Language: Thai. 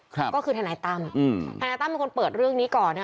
ก็คือธนายตั้มธนายตั้มเปิดเรื่องนี้ก่อน